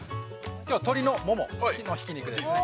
◆きょうは鶏のもものひき肉ですね。